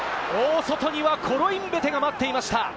外にはコロインベテが待っていました。